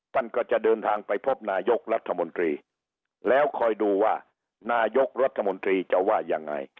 ท่านก็จะเดินทางไปพบนายกรัฐมนตรีแล้วคอยดูว่านายกรัฐมนตรีจะว่ายังไง